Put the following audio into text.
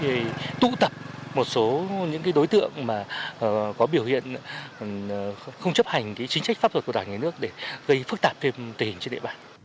thì tụ tập một số những đối tượng mà có biểu hiện không chấp hành chính trách pháp luật của đảng nhà nước để gây phức tạp thêm tình hình trên địa bàn